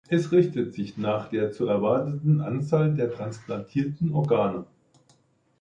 Es richtet sich nach der zu erwartenden Anzahl der transplantierten Organe.